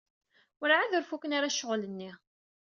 Werɛad ur fuken ara ccɣel-nni.